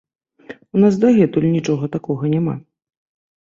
У нас дагэтуль нічога такога няма.